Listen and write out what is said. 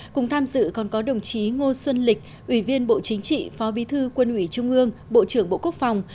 cùng tham dự còn có đồng chí ngô xuân lịch ủy viên bộ chính trị phó bí thư quân ủy trung ương bộ trưởng bộ quốc phòng